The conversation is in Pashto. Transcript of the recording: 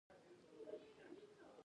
ایا ښه مسلمان یاست؟